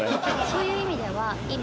そういう意味では今。